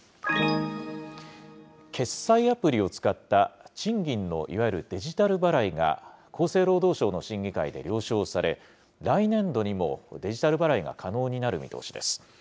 決済アプリを使った賃金のいわゆるデジタル払いが、厚生労働省の審議会で了承され、来年度にもデジタル払いが可能になる見通しです。